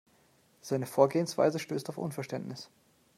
Seine Vorgehensweise stößt auf Unverständnis.